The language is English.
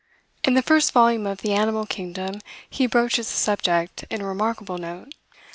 In the first volume of the "Animal Kingdom," he broaches the subject, in a remarkable note.